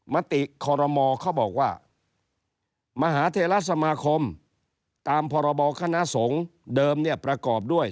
มติคอรมอเขาบอกว่ามหาเทราสมาคมตามพรบคณะสงฆ์เดิมเนี่ยประกอบด้วย